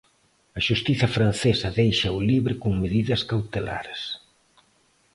A xustiza francesa déixao libre con medidas cautelares.